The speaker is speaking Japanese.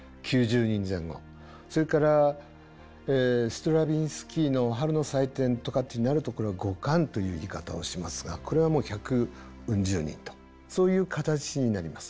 それからストラヴィンスキーの「春の祭典」とかってなるとこれは５管という言い方をしますがこれはもう百うん十人とそういう形になります。